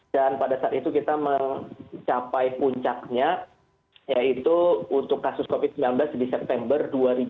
dan pada saat itu kita mencapai puncaknya yaitu untuk kasus covid sembilan belas di september dua ribu dua puluh